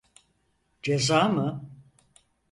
Ceza mı?